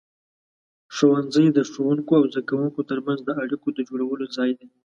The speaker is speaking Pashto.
ښوونځی د ښوونکو او زده کوونکو ترمنځ د اړیکو د جوړولو ځای دی.